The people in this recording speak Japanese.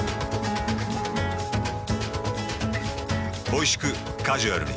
おいしくカジュアルに。